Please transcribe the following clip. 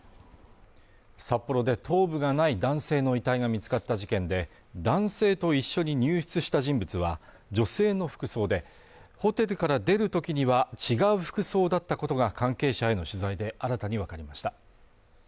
札幌で頭部がない男性の遺体が見つかった事件で、男性と一緒に入室した人物は、女性の服装でホテルから出るときには違う服装だったことが関係者への取材で新たにわかりました。